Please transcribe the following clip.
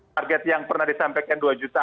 target yang pernah disampaikan dua juta